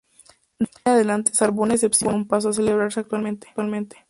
De ahí en adelante salvo una excepción pasó a celebrarse anualmente.